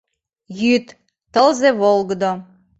Йӱд, тылзе волгыдо.